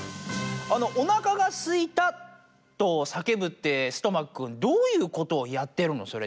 あの「おなかがすいた！とさけぶ」ってストマックンどういうことをやってるの？